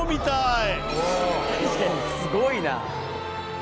確かにすごいな。